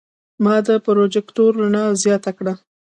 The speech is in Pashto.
ما د پروجیکتور رڼا زیاته کړه.